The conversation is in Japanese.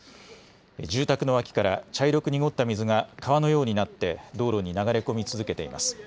住宅の脇から茶色く濁った水が川のようになって道路に流れ込み続けています。